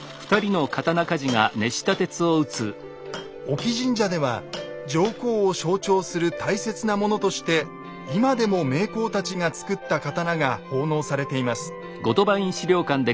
隠岐神社では上皇を象徴する大切なものとして今でも名工たちが作った刀が奉納されています。